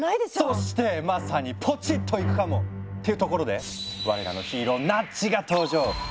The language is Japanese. そしてまさにポチっといくかもっていうところで我らのヒーローナッジが登場。